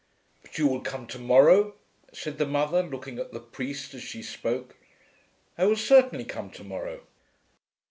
"But you will come to morrow?" said the mother, looking at the priest as she spoke. "I will certainly come to morrow."